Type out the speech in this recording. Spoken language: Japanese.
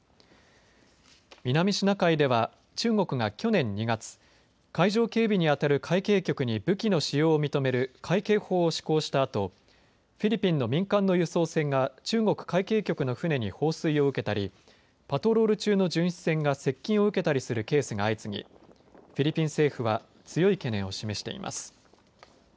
南シナ海では中国が去年２月、海上警備にあたる海警局に武器の使用を認める海警法を施行したあとフィリピンの民間の輸送船が中国海警局の船に放水を受けたりパトロール中の巡視船が接近を受けたりするケースが相次ぎフィリピン政府は強い懸念を示しています。